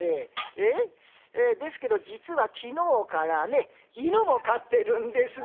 ええ？ですけど実は昨日からね犬も飼ってるんですがね」。